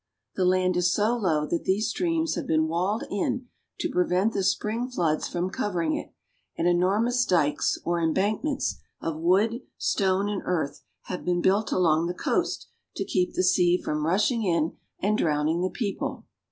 The land is so low that these streams have been walled in to prevent the spring floods from covering it, and enor mous dikes or embankments of wood, stone, and earth have been built along the coast to keep the sea from rushing in and drowning the people.